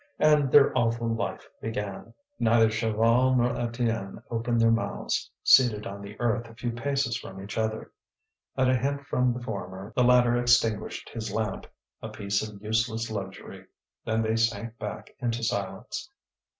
And their awful life began. Neither Chaval nor Étienne opened their mouths, seated on the earth a few paces from each other. At a hint from the former the latter extinguished his lamp, a piece of useless luxury; then they sank back into silence.